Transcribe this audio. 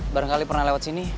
barangkali pernah lewat sini